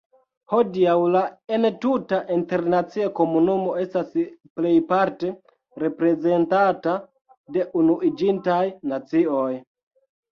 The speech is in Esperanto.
Hodiaŭ la entuta internacia komunumo estas plejparte reprezentata de Unuiĝintaj Nacioj.